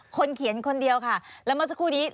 เขียนคนเดียวค่ะแล้วเมื่อสักครู่นี้